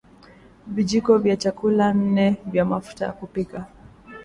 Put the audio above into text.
Vijiko vya chakula nne vya mafuta ya kupikia